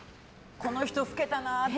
この人、老けたなって。